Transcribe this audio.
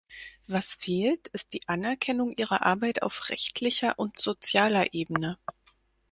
Was fehlt, ist die Anerkennung ihrer Arbeit auf rechtlicher und sozialer Ebene.